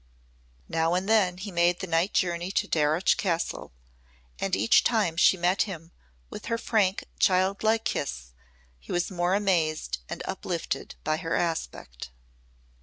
Now and then he made the night journey to Darreuch Castle and each time she met him with her frank childlike kiss he was more amazed and uplifted by her aspect.